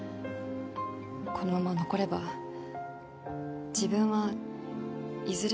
このまま残れば自分はいずれ